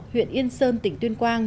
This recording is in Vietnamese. huyện yên sơn tỉnh tuyên quang